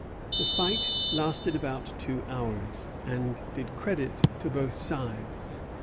The fight lasted about two hours, and did credit to both sides.